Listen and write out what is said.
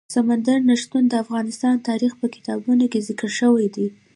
سمندر نه شتون د افغان تاریخ په کتابونو کې ذکر شوی دي.